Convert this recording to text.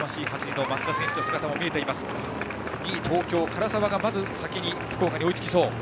２位、東京の唐沢がまず先に福岡に追いつきそう。